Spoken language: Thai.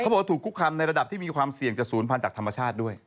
บอกว่าถูกคุกคำในระดับที่มีความเสี่ยงกับศูนย์พันธุ์จากธรรมชาติด้วย